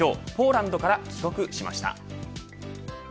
今日ポーランドから帰国しました。